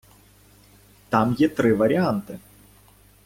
Там є три варіанти.